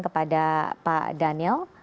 kepada pak daniel